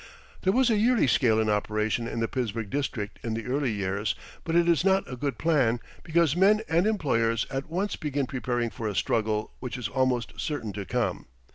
There was a yearly scale in operation in the Pittsburgh district in the early years, but it is not a good plan because men and employers at once begin preparing for a struggle which is almost certain to come.